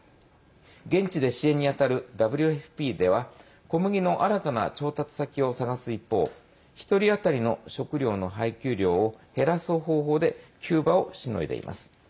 現地で支援に当たるＷＦＰでは小麦の新たな調達先を探す一方１人当たりの食糧の配給量を減らす方法で急場をしのいでいます。